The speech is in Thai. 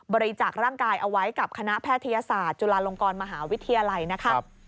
บริจาคร่างกายเอาไว้กับคณะแพทยศาสตร์จุฬาลงกรมหาวิทยาลัยนะคะ